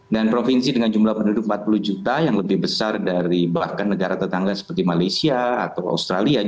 dan provinsi dengan jumlah penduduk empat puluh juta yang lebih besar dari bahkan negara tetangga seperti malaysia atau australia